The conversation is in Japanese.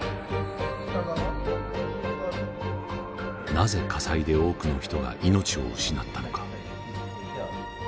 なぜ火災で多くの人が命を失ったのか。